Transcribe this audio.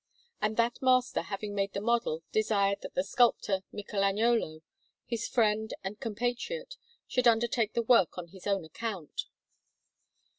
And that master, having made the model, desired that the sculptor Michelagnolo, his friend and compatriot, should undertake the work on his own account.